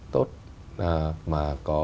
tốt mà có